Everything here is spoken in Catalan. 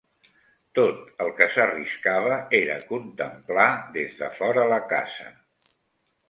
Tot el que s'arriscava era contemplar des de fora la casa